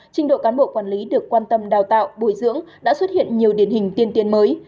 trình độ cán bộ quản lý được quan tâm đào tạo bồi dưỡng đã xuất hiện nhiều điển hình tiên tiến mới